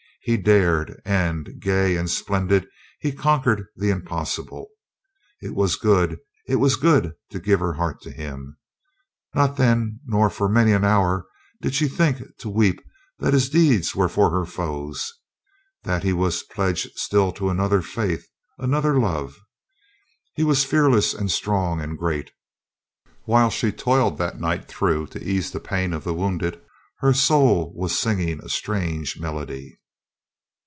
He dared, and, gay and splendid, he conquered the impossible. It was good, it was good to give her heart to him. ... Not then nor for many an hour did she think to weep that his deeds were for her foes, that he was pledged still to another faith, another love. ... He was fearless and strong and great. ... While she toiled that night through to ease the pain of the wounded, her soul was singing a strange melody.